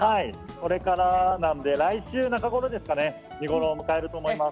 これからなんで、来週中頃ですかね、見頃を迎えると思います。